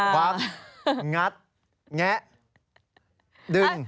ควักงัดแงะดึง